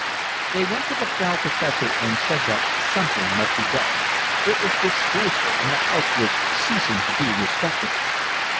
They went to the Frau Professor and said that something must be done; it was disgraceful, and the house was ceasing to be respectable.